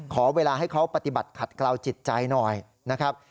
ขอเวลาให้เขาปฏิบัติขัดกล่าวจิตใจหน่อยนะครับ